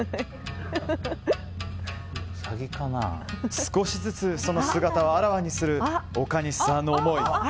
少しずつその姿をあらわにする岡西さんの思い。